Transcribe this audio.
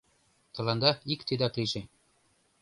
— Тыланда ик тидак лийже.